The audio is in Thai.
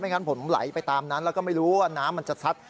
งั้นผมไหลไปตามนั้นแล้วก็ไม่รู้ว่าน้ำมันจะซัด